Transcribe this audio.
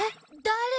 誰？